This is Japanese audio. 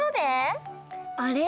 あれ？